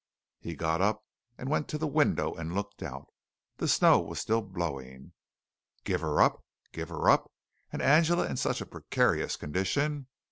He got up and went to the window and looked out. The snow was still blowing. "Give her up! Give her up!" And Angela in such a precarious condition.